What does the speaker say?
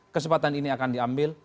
kesempatan ini akan diambil